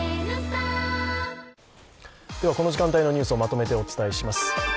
この時間帯のニュースをまとめてお伝えします。